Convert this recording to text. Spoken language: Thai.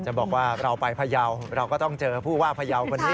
จะบอกว่าเราไปพระเยาเราก็ต้องเจอผู้ว่าพระเยาคนนี้